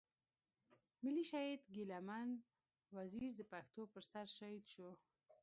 ملي شهيد ګيله من وزير د پښتنو پر سر شهيد شو.